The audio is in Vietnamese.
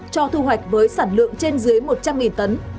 cho thu hoạch với sản lượng trên dưới một trăm linh tấn